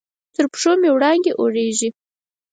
تر پښو مې وړانګې اوریږې